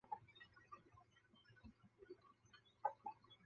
他的妻子陈丽菲也是执着的慰安妇问题研究者。